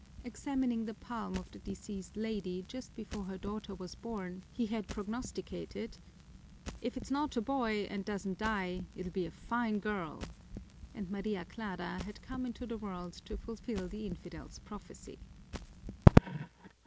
Examining the palm of the deceased lady just before her daughter was born, he had prognosticated: "If it's not a boy and doesn't die, it'll be a fine girl!" and Maria Clara had come into the world to fulfill the infidel's prophecy.